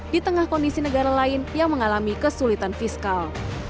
di tengah kondisi negara lain yang mengalami kesulitan fiskal